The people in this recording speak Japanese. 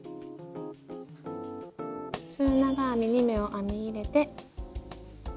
中長編み２目を編み入れて。